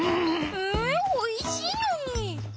えおいしいのに。